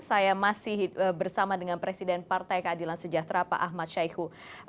saya masih bersama dengan presiden partai keadilan sejahtera pak ahmad syaihu